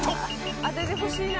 当ててほしいな。